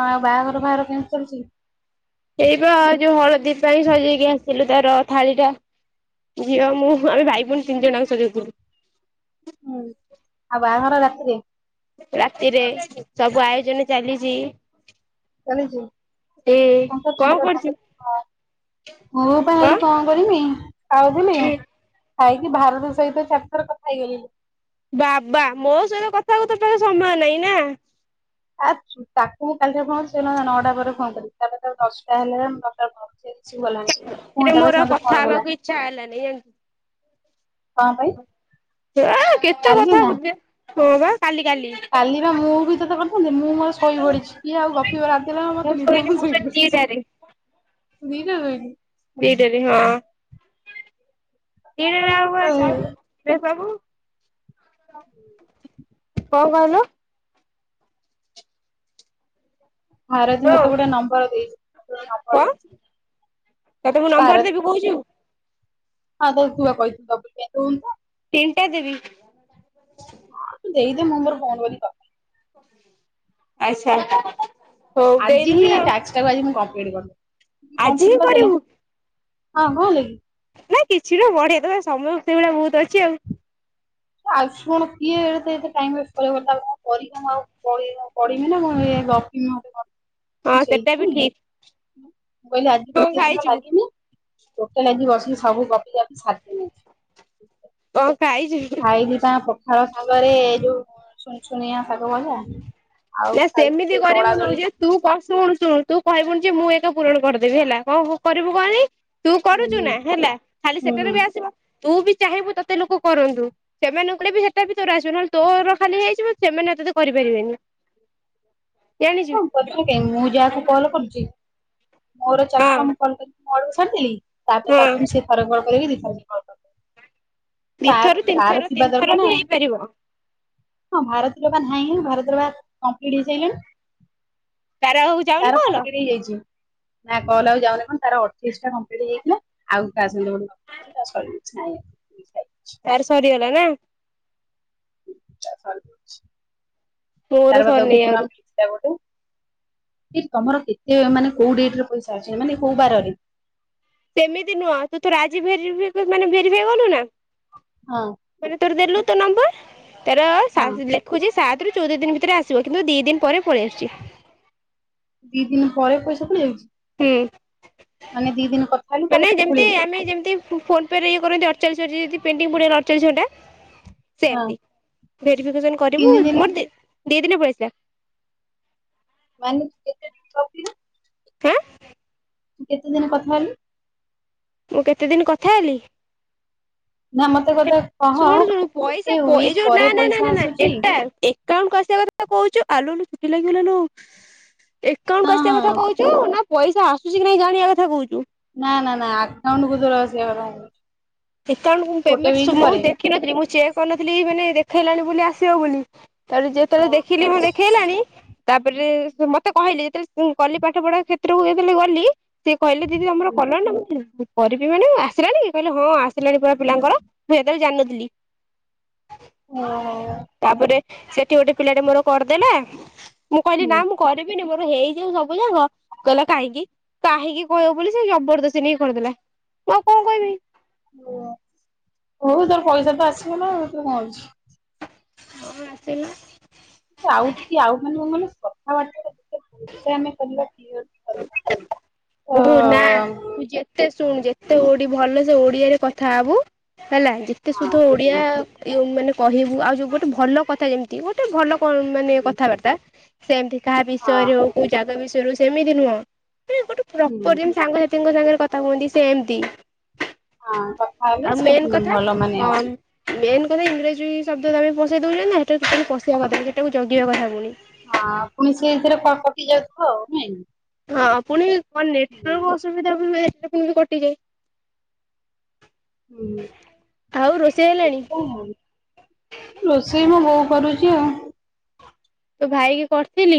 ହଁ ଆଉ ବାହାଘର ବାହାର କେମିତି ଚାଲୁଛି। ଏଇବା ଆଉ ଯୋଉ ହଳଦୀ ପାଇଁ ସଜେଇକି ଆସିଲୁ ତାର ଥାଳି ଟା। ଝିଅ ମୁଁ ଆମେ ଭାଇ ଭଉଣୀ ତିନି ଜଣଆଙ୍କ ସଜଉ ଥିଲୁ। ହୁଁ ଆଉ ବାହାଘର ରାତିରେ? ରାତିରେ ସବୁ ଆୟୋଜନ ଚାଲିଛି। ଚାଲିଛି, ଏ ଙ୍କ କଣ ତାଙ୍କ କରୁଛୁ ତାଙ୍କ ମୁଁ ପା ହେଇ କଣ କରିମି ଖାଉଥିଲି। ଖାଇକି ଭାରତ ସହିତ ଛାର୍ ଥର କଥା ହେଇଗଲି। ବାବା ମୋ ସହିତ କଥା ହେବାକୁ ତୋର ସମୟ ନାହିଁ ନା। ଆ ତାକୁ ମୁଁ କାଲି କର ନଅଟା ପରେ ଫନ୍ କରିବି। ତାପରେ ତାକୁ ଦଶଟା ହେଲେ [unintelligible] ପୁଣି ସେ ଏରେ ମୋର ଆଉ କଥା ଫନ କଲା। ହବାକୁ ଇଚ୍ଛା ହେଲାନି ଜାଣିଛୁ। କଁ ପାଇଁ। ହେ କେତେ କାଲି କଥା ନା ବୁଝ ଯେ। ହଁ ବା କାଲି କାଲି। କାଲି ବା ମୁଁ ବି ତତେ କରିଥାନ୍ତି ମୁଁ ମୋର ଶୋଇ ପଡିଛି। କିଏ ଆଉ ଗପିବ ରାତିରେ ମୁଁ ମତେ ନିଦେ ଶୋଇଲି ମୁଁ ଶୋଇ ଶୋଇଲି ପଡ ଦିଟାରେ। ଦିଟାରେ ଶୋଇଲୁ। ଦିଟାରେ ହଁ। ଦିଟାରେ ଆଉ ପା ସବୁ। କଣ କହିଲ। ଭାରତୀ ମତେ ଗୋଟେ ନମ୍ବର ଦେଇଛି। ଗୋ ନମ୍ବର କଣ ଦେଇଛି ତତେ ମୁଁ ନମ୍ବର୍ ଦେବି ଭାରତ କହୁଚୁ। ହଁ ତ ତୁଆ କହିଥିଲୁବ କେ ହୁଅନ୍ତତା। ତିନ୍ଟା ଦେବି। ଦେଇଦେ ମୁଁ ମୋର ଫୋନ୍ କରି କ [inaudible] ଆଚ୍ଛା। ହଉ ଆଜି ହିଁ ଦେଇଦେବି ଏ ଆଉ ଟାକ୍ସଟା କୁ ଆଜି ମୁଁ କମପିଲିଟ କରିଦେବି। ଆଜି ହିଁ କମପିଲିଟ୍ କରିବୁ କରିଦେଲେ ହଁ କ ହେଲା କି। ନା କିଛି ନାହିଁ ବଢିଆ ତମ ସମୟ ସେଇ ଭଳିଆ ବୋହୁତ୍ ଅଛି ଆଉ। ଆଛ୍ କଣ କିଏ ଏ ଟାଇମ୍ ୱେଷ୍ଟ୍ କରିବ କଣ କରିକି ମୁଁ ଆଉ ପଢିବି ନା ମୁଁ ଗପ୍ [inaudible] ହଁ ସେଟା ବି ଠିକ ସେଇଥିପାଇଁ କହିଲେ ଆଜି କଣ ଗୋଟିଏ ଦିନ ଖାଇଛୁ ଲାଗିନି। ଟୋଟାଲ୍ ଆଜି ବସି ସବୁ ଗପି ଗପି ସାର୍ଦେବି। କ କାଇଚୁ। ଖାଇଲି ପା ପଖାଳ ଶାଙ୍ଗରେ ଏଇ ଯୋଉ ସୁୁନ୍ ସୁନିଆ ଶାଗ ଭଜା। ଆଉ ନା ଖାଇଛି ସେମିତି ଯୋଉ କରିବୁନୁ ଦଳାଦଳି ଯେ ତୁ କ ଶୁଣୁ ଶୁଣୁ ତୁ କହିବୁଣି ଯେ ମୁଁ ଏକା ପୂରଣ କର୍ଦେବି ହେଲା କଣ କରିବୁ କହନି। ତୁ ହୁଁ କରୁଛୁ ହୁଁ ନା ହେଲା ଖାଲି ହୁଁ ହୁଁ ସେଟାରେ ବି ଆସିବ ତୁ ବି ଚାହିଁବୁ ତତେ ଲୋକ କରନ୍ତୁ। ସେମାନ କଲେ ବି ସେଟା ବି ତୋର ଆସିବ ନହେଲେ ତୋର ଖାଲି ହେଇଯିବ ସେମାନେ ଆଉ ତତେ ତ କରିପାରିବେନି। ଜାଣିଚୁ। ହଁ ମୁଁ ଯାହାକୁ କଲ୍ କରୁଚି ମୋର ଚାକୁର ହଁ ମୁଁ କଲ କରିଛି ମୁ ଆଡକୁ ଛାଡିଦେଲି। ତାପରେ ହଁ ତାକୁ ମୁଁ ସେ ଥରେ କଲ କରିବି ଦି ଥର କଲ କରିବି। ଦିଥର ତାର ତାର ତିନିଥର ଥିବା ତିନିଥର ଦର୍କାର୍ ବି ନା ଆଉ। ହେଇପାରିବ ହଁ ଭାରତୀର ବା ନାଇଁ ଭାରତୀର ପା କଂପ୍ଲିଟ୍ ହେଇ ସାରିଲାଣି। ତାର ହଉ ତାର କମ୍ପ୍ଲିଟ୍ ହେଇଯାଇଛି। ନା କଲ୍ ଆଉ ଯାଉନି କଣ ତାର ଅଠେଇଶି ଟା କମ୍ପଲିଟ ହେଇଯାଇଥିଲା ଆଉ ଆସୁ [unintelligible] ତାର ସରିଗଲା ନା। [unintelligible] ମୋର ତାର ପା [unintelligible] ସରିନି ଗୋଟେ ଆହୁରି ତମର କେତେ ମାନେ କୋଉ ଡେଟ୍ରେ ପଇସା ଅଛି ମାନେ କୋଉ ବାରରେ। ସେମିତି ନୁହଁ ତୁ ତର ରାଜି ଭେରି ମାନେ ଭେରି ଫାଏ କଲୁ ନା। ହଁ। ମାନେ ତୋର ଦେଲୁ ତୋ ନମ୍ବର ତାର ହଁ ଦେଖୁଛି ସାତ୍ ରୁ ଚଉଦ ଦିନ୍ ଭିତରେ ଆସିବ କିନ୍ତୁ ଦିଇ ଦିନ୍ ପରେ ପଳେଇ ଆସୁଛି। ଦି ଦିନ୍ ପରେ ପଇସା ପଲେଇ ଆଉଛି। ହୁଁ କଥା ହେଲୁ ତାପରେ ମାନେ ପଇସା ଯେମ୍ତି ପଳେଇ ଆମେ ଯେମ୍ତି ଫୋନ ପେ ରେ ଇଏ କରନ୍ତି ଅଠଚାଳିଶ ଘଣ୍ଟା ପ୍ପେଣ୍ଡିଂ ପଡ଼ିଗଲା ଅଠଚାଳିସ୍ ଘଣ୍ଟା। ହଁ ସେମତି ଭେରିଫିକେସନ କରିବୁ ତିନି ଦିନ ଦି ଦିନେ ପଇସା। ମାନେ କେତେ ଦିନୀ [unintelligible] ହାଁ ତୁ କେତେ ଦିନି କଥା ହେଲୁ? ମୁଁ କେତେ ଦିନ କଥା ହେଲି? ନା ମତେ କଥା କହ ଶୁଣୁ ଶୁଣୁ ଗୋଟେ ପଇସା ପଇ ୱିକ୍ ଯୋଉ ନା ପରେ ନା ନା ନା ପଇସା ନା ଆସୁଛି ଏଟା କଣ କଇସା କଥା କହୁଛୁ ଆଲୋଲୋ ଚୁଟି ଲାଗିଗଲାଲୋ। ଏକାଉଣ୍ଟ ହଁ ଆସିବା କଥା ହଁ କହୁଛୁ ନା ପଇସା ଆସୁଛି କି ନାହିଁ ଜାଣିବା କଥା କହୁଛୁ? ନା ନା ନା ଆକାଉଣ୍ଟ କୁ ଯୋଉ ଆସିବା କଥା ମୁଁ କହୁଛି। ଏକାଉଣ୍ଟ୍ କୁ ମୁଁ ଗୋଟେ ପେମେଣ୍ଟ ସୁ ୱିକ୍ ମୁଁ ପରେ ଦେଖିନଥିଲି ମୁଁ ଚେକ୍ କରିନଥିଲି ମାନେ ଦେଖେଇଲାଣି ବୋଲି ଆସିବ ବୋଲି। ତାପରେ ଯେତେବେଳେ ହଁ ଦେଖିଲି ମୁଁ ହେଲାଣି ତାପରେ ମତେ କହିଲେ ଯେତେବେଳେ କଲି ପାଠ ପଢ଼ା କ୍ଷେତ୍ରକୁ ଯେତେବେଳେ ଗଲି ସିଏ କହିଲେ ଦିଦି ତମର ହୁଁ। କଲଣିନା ନା କରିବି ମାନେ ଆସିଲାଣ କହିଲେ ହଁ ଆସିଲାଣି ପୁରା ପିଲାଙ୍କର ମୁଁ ସେତେବେଳେ ଜାଣିନଥିଲି ଓ ଓ ଓ ତାପରେ ସେଠି ଗୋଟେ ପିଲାଟେ ମୋର କରିଦେଲା ମୁଁ କହିଲି ନା ହୁଁ। ମୁଁ କରିବିନି ମୋର ହେଇଯିବ ସବୁ ଜାଙ୍କ କହିଲା କାହିଁକି? କାହିଁକି କହିବ ବୋଲି ସେ ଜବରଦସ୍ତି ନେଇ କରିଦେଲା ମୁଁ ଆଉ କଣ କହିବି? ଓ ହଉ ତୋର ପଇସା ତ ଆସିଗଲା ହେଥୀରେ କଣ ଅଛି। ହଁ ଆସିଲା। ଏ ଆଉ ଟିକେ ଆଉ କଣ ଦେଖିଆ କହିଲୁ କଥାବାର୍ତ୍ତା ଟା ଟିକେ ତ ଆମ୍ ତେ ଶୁଣ ଯେତେ ଓଡ଼ି ଭଲ ସେ ଓଡ଼ିଆରେ କଥା ହବୁ ହେଲା ଯେତେ ସୁଧ ହଁ ଓଡ଼ିଆ ଇଏ ମାନେ କହିବୁ ଆଉ ଯୋଉ ଗୋଟେ ଭଲ କଥା ଯେମ ତି ଗୋଟେ ଭଲ କ ମାନେ ହଁ କଥାବାର୍ତ୍ତା ସେମିତି କାହା ବିଷୟରେ ହଉ କଉ ଯାଗା ବିଷୟରେ ହଉ ସେମିତି ନୁହଁ ମାନେ ଗୋଟେ ହୁଁ। ପ୍ରପର ଯେମତି ସାଙ୍ଗ ଶା ଥିଙ୍କ ସାଙ୍ଗରେ କଥା କୁହନ୍ତି ସେମତି। ହଁ କଥା ହେଲେ ସେ ଭଲ ମାନେ ହଁ ଆସୁ ମେନ୍ କଥା ଇଂରାଜୀ ଶବ୍ଦ ତମେ ପସେଇ ଦଉଛ ନା ସେଟା ଟୋଟଲି ପଶିବା କଥା ନୁହଁ ସେଟାକୁ ଜଗିବା କଥା କୁହନି। ହଁ ପୁଣି ସେଥିରେ କଟି ଯାଉଥିବ ଆଉ ନାଇଁ ହଁ ପୁଣି କଣ ନେଟୱର୍କ ଅସୁବିଧା ବି ବେଳେ ବେଳେ କଟିଯାଏ। ହୁଁ, ଆଉ ରୋଷେଇ ହେଲାଣି ଏଇଥିପାଇଁ ରୋଷେଇ ମୋ ବୋଉ କରୁଛି ଆଉ। ତୋ ଭାଇକି କରିଥିଲି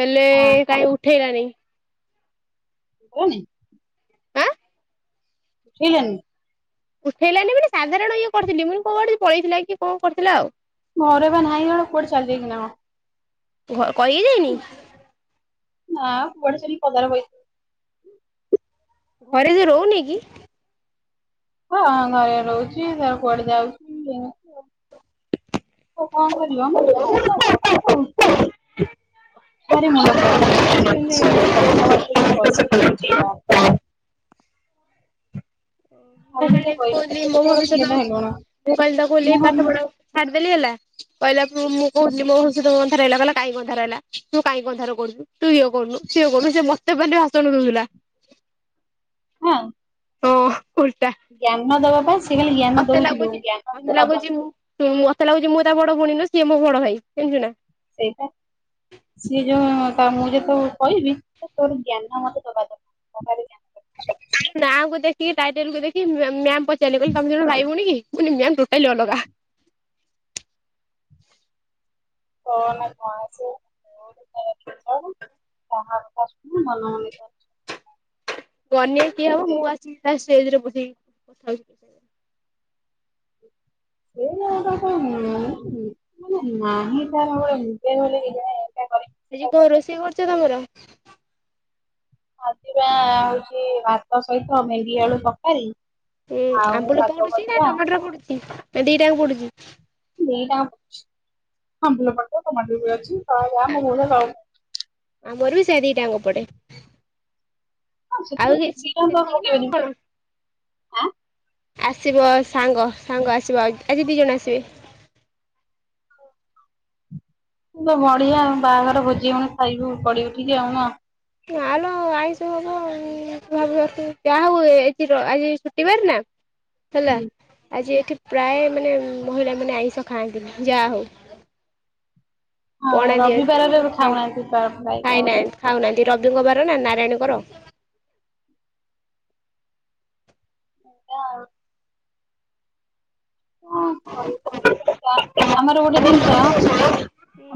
ହେଲେ ହଁ କାହିଁ ଉଠେଇଲାନି। [unintelligible] ଆଁ ଉଠେଇଲାନି? ଉଠେଇଲାନି ମାନେ ସାଧାରଣ ଇଏ କରିଥିଲି ମୁଁ କୁଆଡ଼େ ପଳେଇଥିଲା କି କଣ କରିଥିଲା ଆଉ ଘରେ ବା ନାହିଁ କଣ କୁଆଡ଼େ ଚାଲିଯାଇଛିନା କଣ? ଘ କହିକିଯାଇନି? ନା କୁଆଡେ଼ [unintelligible] ପଦାରେ ବଇଛି। ଘରେ ସେ ରହୁନି କି? ହଁ ଘରେ ରହୁଛି ତାର କୁଆଡ଼େ ଯାଉଛିକି। ତ କଣ କରିବ? ଭାରି ମୁଣ୍ଡ ଖରାପ୍ ହେଇଯାଉଛି ଏମିତି କଥାବାର୍ତ୍ତା ସେ କରୁଛି [unintelligible] ମୁଁ ଖାଲି ଖାଲିରେ ଏମିତି ବଇଛି କହୁଥିଲି ମୋ କେତେ ବଡ ଭବିଷ୍ୟତ ପିଲାଟା ମୁଁ ହେଲୁଣୁ କହୀଲି ତାକୁ ଭଲେକି ମୁହଁ ପାଠ ପଢ଼ାଅ। ଛାଡ଼ିଦେଲି ହେଲା କହିଲା ମୁଁ କହୁ ବହୁତ୍ ଜୋର୍ ଅନ୍ଧାର ହେଲା କହିଲା କାହିଁକି ଅନ୍ଧାର ହେଲା ତୁ କାଇଁ ଅନ୍ଧାର କରୁଛୁ। ତୁ ଇଏ କରୁନୁ ସିଏ କରୁନୁ ସେ ମତେ ଖାଲି ଭାସଣ ଦଉଥିଲା। ହଁ। ହ ଓଲଟା। ଜ୍ଞାନ ଦବା ପାଇଁ ସେ ଜ୍ଞାନ ଦଉଚିଲୋ ଜ୍ଞାନ ଦିଅ ନବନି। ଶୁଣ ମୁଁ ମୋତେ ଲାଗୁଛି ତା ବଡ଼ ଭଉଣୀ ନୁହେଁ ସିଏ ମୋ ବଡ ଭାଇ ଜାଣିଛୁନା। ସେଇଟା ସିଏ ଯୋଉ ତା ମୁଁ ଯେତେବେଲେ କହିବି ତୋର ଜ୍ଞାନ ନା ମତେ ଦବା [unintelligible] ଜ୍ଞାନ। ନାଁକୁ ଦେଖି ଟାଇଟେଲକୁ ଦେଖି ମ୍ୟାମ ପଚାରିଲେ କି ତମେ ଦିଜଣ ଭାଇ ଭଉଣୀକି ମୁଁ କହିଲି ମ୍ୟାମ ଟୋଟାଲି ଅଲଗା। କହନା ଖାସେ [inaudible] କନ୍ୟା କିଏ ହବ ମୁଁ ଆସିକି ତା ଷ୍ଟେଜରେ ବସିକି କଥାଉଛି। [unintelligible] ମାନେ ନାହିଁ ମୋର ଡିଜାଇନର ଲେହେଙ୍ଗା। ଆ ଯଉ କୋଉ ରୋଷେଇ କରୁଛ ତମର? ଆଜିିବା ହଉଛି ଭାତ ସହିତ ମେରି ଆଳୁ ତରକାରୀ। ଉୁଁ ଆଉ ଆମ୍ବୁଳ ଶାଗ ପଡୁଛି ନା ଭଜା ଟମାଟର ପଡୁଛି ନା ଦିଟାଯାକ ପଡୁଛି। ଦିଟା ଯାକ ଆମ୍ବୁଲ ପକା ଟମାଟର ଅଛି [unintelligible] ଆମର ବି ସେ ଦିଟାଙ୍ଗ ପଡେ। ହଁ ସେଥିରୁ ଆଉ କିଛି ଦିଟା ତ ସେତିକି ନା ଆଉ ପକେଇପାରିବି। କଣ? ଆସିବ ସାଙ୍ଗ ସାଙ୍ଗ ଆସିବ ଆଉ ଆଜି ଦି ଜଣ ଆସିବେ। ତ ବଢିଆ ଆ ବାହାଘର ଭୋଜି ହଉଣୁ ଖାଇବୁ ପଢି ଉଠିକି ଆଉ ନା ଆଉ ମାଆଲୋ ଆଇଁଷ ହବ ଭାବ ଯାହା ହଉ ଆଜି ଛୁଟିବାର ନା। ହେଲା ହୁଁ। ଆଜି ଏଠି ପ୍ରାୟ ମାନେ ମହିଳା ମାନେ ଆଇଁଷ ଖାଆନ୍ତିନି ଯାହା ହଉ। ପଣା ହଁ ଦିଅନ୍ତି ରବିବାରରେ ଖାନ୍ତି ଖାଉନାହାନ୍ତି ପ୍ରାୟ ପ୍ରାୟ ଖାଇନାହାନ୍ତି ଖାଉନାହାନ୍ତି ରବିଙ୍କ ବାର ନା ନାରାୟଣଙ୍କର। ଖାଉନାହାନ୍ତି ଆଉ ହଁ। [unintelligible] ଆମର ଗୋଟେ ଜିନିଷ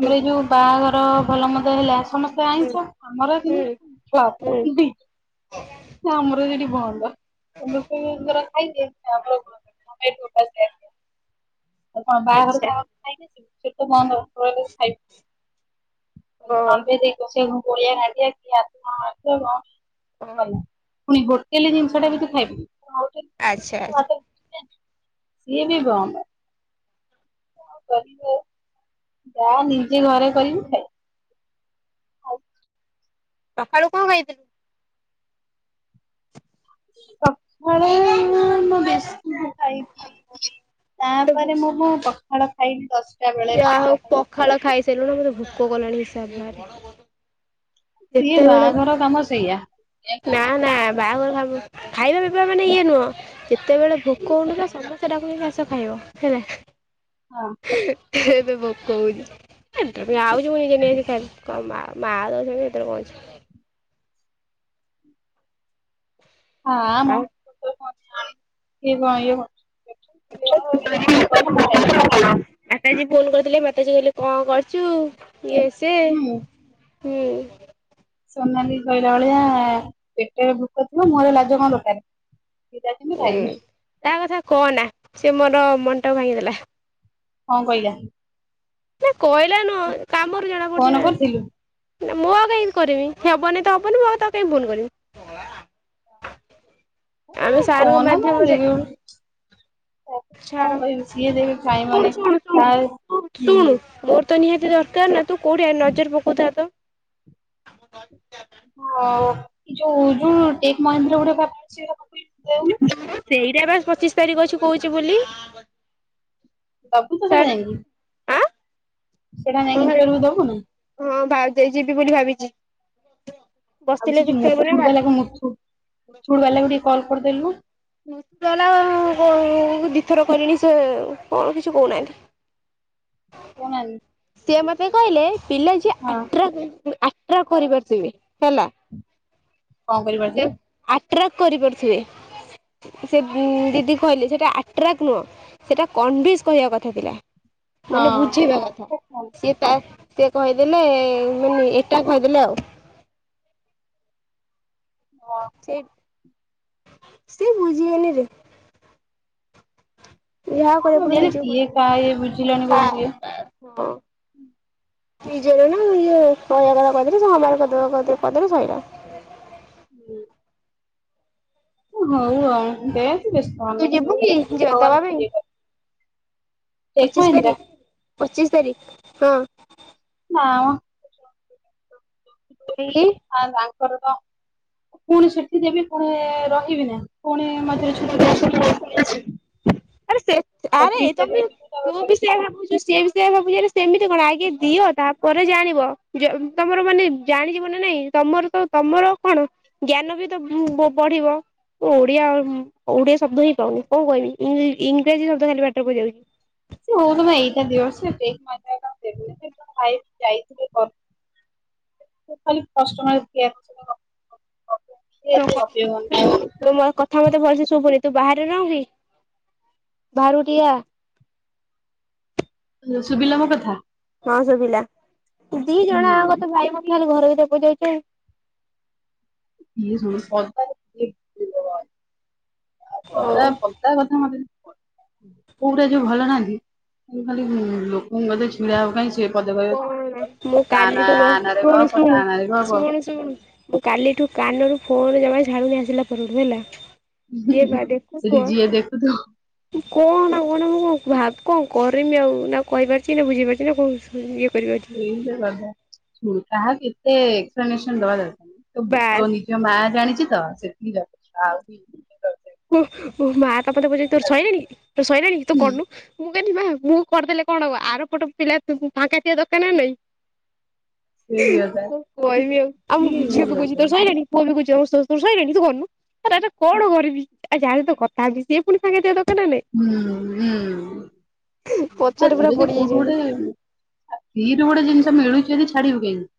ଆମର ଏ ଯୋଉ ବାହାଘର ଭଲ ମନ୍ଦ ହେଲା ସମସ୍ତେ ହୁଁ ଆଇଁଷ ଆମର ହୁଁ କିନ୍ତୁ ଚପ୍ ବି ନା ଆମର ସେଠି ବନ୍ଦ ସମସ୍ତଙ୍କର ଖାଇଦେ [unintelligible] [unintelligible] ଆ କଣ ବାହାଘର ଆଚ୍ଛା ସାହାଘର ଖାଇକି ସେ ବନ୍ଦ ହବ ଖାଇବ। [unintelligible] ଓ ପୁଣି ହୋଟେଲ ଜିନିଟା ବି ତୁ ଖାଇବୁ ଆଚ୍ଛା ଆଚ୍ଛା। ସିଏ ବି ବନ୍ଦ [unintelligible] କରିିବେ। ଯା ନିଜେ ଘରେ କରିବି ଖାଇ ଆଉ ସକାଳୁ କଣ ଖାଇଥିଲ ସଖାଳେ ମୁଁ ମୁଁ ବିସ୍କୁଟ ଖାଇ ତାପରେ ମୁଁ ମୁ ପଖାଳ ଖାଇି ଦଶଟା ବେଳେ। ଯାହା ହଉ ପଖାଳ ଖାଇଲି ପଖାଳ ଖାଇସାରିଲୁନୁ ମୋତେ ଭୋକ କଲାଣି ହିସାବନାଁରେ। ସିଏ ବାହାଘର କାମ ସେଇଆ। ନା ନା ବାହାଘର ଖାବ ଖାଇବା ପିଇବା ମାନେ ଇଏ ନୁହଁ ଯେତେବେଳେ ଭୋକ ହଉନଥିବ ସମସ୍ତ ସ୍ତେ ଡାକୁଚନ୍ତି ଆସ ଖାଇବ ହେଲା। ହଁ। ଏବେ ଭୋକ ହଉଚି। ଆଉଛ ଜ ଖଉ ସେ ଏ ପହଞ୍ଚ [unintelligible] ହଁ ଆମ [unintelligible] ଛା [unintelligible] ଖାଇବି ମାତାଜୀ ଫୋନ କରିୁଥିଲେ ମାତାଜୀ କହଲେ କଣ କରୁଚୁ ଇଏ ସେ ହୁଁ ହୁଁ ସୋନାଲି କହିଲା ଭଳିଆ ପେଟରେ ଭୋକ ଥିବ ମୁଁହଁରେ ଲାଜ କଣ ଦରକାର ସିଧା ଯିମି ହୁଁ ଖାଇମି। ତା କଥା କହନା ସିଏ ମୋର ମନ ଟା ଭାଙ୍ଗିଦେଲା। କଣ କହିଲା? ସେ କହିଲା ନୁହ କାମରୁ ଜଣା ପଡୁଛି ଫୋନ ନା। କରିଥିଲୁ ନା ମୁଁ ଆଉ କାଇଁକି କରିବି ହେବନିଁ ତ ହେବନି ମୁଁ ଆଉ ତାକୁ କାହିଁ ଫୋନ କରିବି। ହଁ ଆମେ ସାରଙ୍କ କହନା ମା ମାଧ୍ୟମରେ ଯିବି ବୋଲି କଣ ଛାଡ଼ କହିବି ସିଏ ଦେବି ଶୁଣୁ ଖାଇବନି ଶୁଣୁ ଶୁଣୁ ତା ଶୁଣୁ ହୁଁ ମୋର ତ ନିହାତି ହୁଁ ଦରକାର ନା ତୁ କୋଉଠି ନଜର ପକଉଥାତ। ହଁ ଯୋଉ ଯୋଉ ଟେକ ମହେନ୍ଦ୍ର ଗୋଟେ କରିଚି କରିଚି। ସେଇଟା ବା ପଚିଶ ତାରିଖ ଅଛି କହୁଚି ବୁଲି। ସବୁତକ ଯାଇନି। ଆଁ ସେଇଟା ଜାଇକି ଇଣ୍ଟର୍ୟୁବୁ ଦୋବୁନୁ? ହଁ ଭାଉ ଦେଇ ଯିବି ବୋଲି ଭାବିଛି। ଆଉ ବସିଲେ ସେ ଯୋଉ କିଛି ହବନି ମୁୁଥୁଟୁ ବାଲା ଭାବି ମୁୁଥୁ ମୁଥୁଟୁ ବାଲାକୁ ଟିକେ କଲ କରିଦେଲୁ ନୁ। ମୁଥିଟୁ ବାଲା ଦିଇଥର କହିଲିଣି ସେ କଣ କିଛି କହୁନାହାନ୍ତି। ଉଠୋଉ ନାହାନ୍ତି? ସିଏ ମତେ କହିଲେ ପିଲା ଯେ ହଁ। ଆଟ୍ରାକ କରିପାରିଥିବେ ହେଲା। କଣ କରିପାରୁଥିବେ? ଆଟ୍ରାକ କରିପାରୁଥିବେ ସେ ଦିଦି କହିଲେ ସେଟା ଆଟ୍ରାକ୍ ନୁହଁ। ସେଟା କନଭିନ୍ସ କହିବା କଥା ଥିଲା। ମାନେ ବୁଝେଇବା କଥା ହଁ ସିଏ ତା ସିଏ କହିଦେଲେ ମାନେ ଏଟା କହିଦେଲେ ଆଉ। ହଁ। ସିଏ ସିଏ ବୁଝିବେନି ରେ। ଯା କରିବାକୁ ହଁ ପଡିବ ଦେଲେ ନିଜେ କିଏ କାହା ଇଏ ବୁଝିଲାଣି କହୁନୁ ଟିକେ। କରିବାକୁ [unintelligible] ନିଜର ନା ଇଏ [unintelligible] ସଇଲା। ହୁଁ। ହଉ ଆଉ ଦେଖ୍ ବ୍ୟସ୍ତ ତୁ ହୋନା ଯିବୁ କି ଯୋଉଟା ଦବା ପାଇଁ ଭଗବାନଙ୍କୁ ପଚିଶ ତାରିଖ ପଚିଶ ତାରିଖ ହଁ। ନା ମ। ବିଡ଼ି ଆଙ୍କର ତ ପୁଣି ସେଠି ଦେବି ପୁଣି ରହିବି ନା। ପୁଣି ମଝିରେ ଛୁଟି ନେବି ପଳେଇ ଆସିବି। ଆରେ ପଚିଶ ତାରିଖ ତମେ ଯିବି ତାପରେ ତୁ ବି ସେଇଆ କରିବି। ଭାବୁଛୁ ସିଏ ବି ସେୟା ଭାବୁଚି ଆରେ ସେମିତି କଣ ଆଗେ ଦିଅ ତା ପରେ ଜାଣିବ ତମର ମାନେ ଜାଣିଯିବ ନା ନାଇଁ ତମର ତ ତମର କଣ? ଜ୍ଞାନ ବି ତ ଵ ବଢିବ। ମୁଁ ଓଡିଆ ଓଡିଆ ଶବ୍ଦ ହିଁ ପାଉନି କଣ କହିବି ଇଂରାଜୀ ଶବ୍ଦ ଖାଲି ପାଟିରେ ପଶି ଯାଉଛି। ସେ ହଉ ତମେ ଏଇଟା ଦିଅ [unintelligible] ଖାଲି କଷ୍ଟମର କେୟାର ସହିତ ଗପିଵ। [unintelligible] ମତେ ଭଲସେ ଶୁଭୁନି ତୁ ବାହାରେ ନାହୁ କିି ବାହାରକୁ ଟିକିଏଆ। ସୁଭିଲା ମୋ କଥା। ହଁ ଶୁଭିଲା ଦି ଜଣ ଯାକ ହୁଁ। ତ ଭାଇ ଭଉଣୀ ଖାଲି ଘର ଭିତରେ ପସିଯାଉଛ। ଇଏ ଶୁଣୁ ପଦା ଇଏ ଓ ତା କଥା ମନେନାହି। କୋଉ ଟା ଯୋଉ ଭଲ ଲାଗେ ଖାଲି ଲୋକଙ୍କ କଥା ଶୁଣିବା ପାଇଁ ସେ ପଦେ କହିବ ତୁ ପଦେ କଣ ମୁଁ କହିବୁ ତା ନା କାଲିଠୁ ଆ ନାରେ ଶୁଣୁ ଗପ ତା ଶୁଣୁ ନାରେ ଗପ ଶୁଣୁ ଶୁଣୁ। ମୁଁ କାଲିଠୁ କାନରୁ ଫୋନ ଜମା ଛାଡ଼ୁନି ଆସିଲା ପରଠୁ ହେଲା। ଯେ ବା ସେଠି ଦେଖୁୁଥିବ ଯିଏ ଦେଖୁଥିବ କଣ ନା କଣ ମୁଁ କଣ ଭାବି କଣ କରିମି ଆଉ ନା କହିପାରୁଛି ନା ବୁଝିପାରୁଚି ନା କଣ କରିପାରୁଛି ଏଇତ କଥା କାହାକୁ ଏତେ ଏକ୍ସ୍ରମେଶନ ଦବା ଦରକାର ନାହିଁ, ତୋ ବାସ୍ ନି ଜ ମା ଜାଣିଛି ତ ସେତିକି ଯଥେଷ୍ଟ ଆଉ କଥା ଇଏ ଓ ଓ ମା ପା ମତେ ପଚାରୁଚି ତୋର ସଇଲାଣି ତୋର ସଇଲାଣି ତୁ କରନୁ। ମୁଁ କହିଲି ମା ମୁଁ କରିଦେଲେ କଣ ହେବ ଆର ପଟ ପିଲା ଫାଙ୍କାଥିବା ଦରକାର ନା ନାଇଁ। କଥା। କଣ କହିବି ଆଉ, ହୁଁ ଆଉ ଝିଅ ବି କୋହୁଚି ତୋର ସଇଲାଣି ପୁଅ ବି କହୁଚି ତୋର ସଇଲାଣି ତୁ କରନୁ କହିଲି ଆରେ କଣ କରିବି ଆ ଯାହା ତ କଥା ହେବି ସେ ପୁଣି ଫାଙ୍କା ଥିବା ଦରକାର ନା ନାଇଁ ହୁଁ ହୁଁ ପଛରେ ନିହାତି ପୁରା ଯଦି କଉଠୁ ପଡିଯାଇଛନ୍ତି। ଗୋଟେ ଆ ଫ୍ରୀ ରେ ଗୋଟେ ଜିନିଷ ମିଳୁଛି ଯଦି ଛାଡ଼ିବୁ କାହିଁକି।